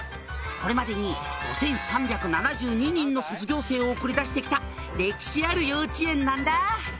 「これまでに５３７２人の卒業生を送り出して来た歴史ある幼稚園なんだ」